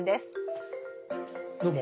どうも。